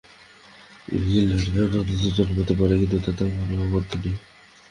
ঝিল্লিরই অনিদ্রারোগ জন্মাতে পারে, কিন্তু তাতে আমার আপত্তি নেই।